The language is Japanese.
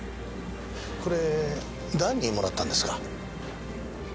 これ誰にもらったんですか？